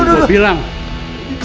itu kau bilang